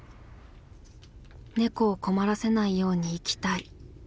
「猫を困らせないように生きたい」。